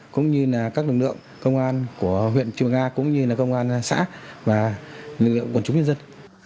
cũng như là các lực lượng công an của huyện trường nga cũng như là công an xã và lực lượng quân chúng nhân dân